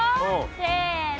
せの！